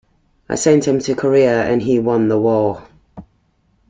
I sent him to Korea and he won the war.